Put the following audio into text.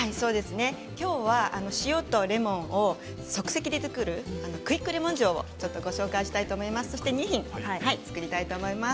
今日は塩とレモンを即席で作るクイックレモン塩を使って２品作りたいと思います。